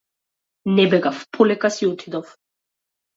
Не бегав, полека си отидов.